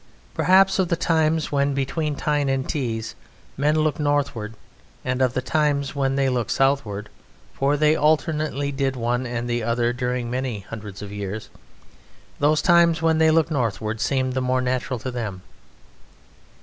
Perhaps of the times when between Tyne and Tees, men looked northward and of the times when they looked southward (for they alternately did one and the other during many hundreds of years) those times when they looked northward seemed the more natural to them.